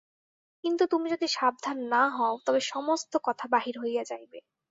কিন্তু তুমি যদি সাবধান না হও, তবে সমস্ত কথা বাহির হইয়া যাইবে।